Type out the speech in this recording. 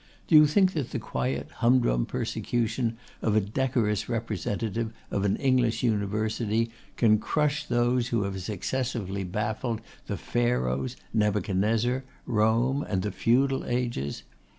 Do you think that the quiet humdrum persecution of a decorous representative of an English university can crush those who have successively baffled the Pharaohs, Nebuchadnezzar, Rome, and the Feudal ages?